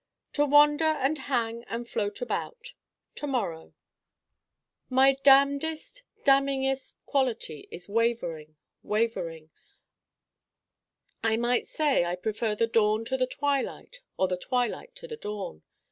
To wander and hang and float about To morrow My damnedest damningest quality is Wavering Wavering I might say I prefer the dawn to the twilight or the twilight to the dawn.